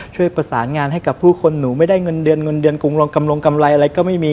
ช่วยประสานงานให้กับผู้คนหนูไม่ได้เงินเดือนเงินเดือนกรุงลงกำลงกำไรอะไรก็ไม่มี